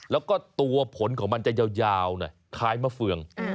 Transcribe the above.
แล้วก็ตัวผลของมันจะยาวคล้ายมะเฟือง